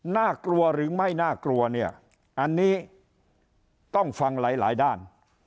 น่ากลัวหรือไม่น่ากลัวเนี่ยอันนี้ต้องฟังหลายหลายด้าน